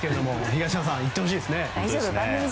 東山さん、いってほしいですね。